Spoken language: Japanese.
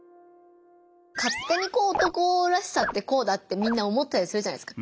勝手にこう男らしさってこうだってみんな思ったりするじゃないですか。